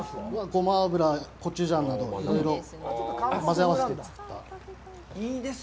ゴマ油、コチュジャンなど、いろいろ混ぜ合わせています。